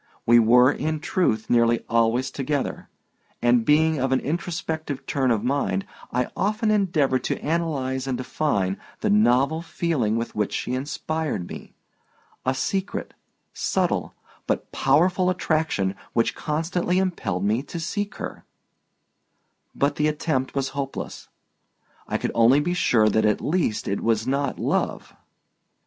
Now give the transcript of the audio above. We were, in truth, nearly always together, and being of an introspective turn of mind I often endeavored to analyze and define the novel feeling with which she inspired me—a secret, subtle, but powerful attraction which constantly impelled me to seek her; but the attempt was hopeless. I could only be sure that at least it was not love.